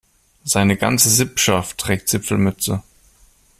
Seine ganze Sippschaft trägt Zipfelmütze.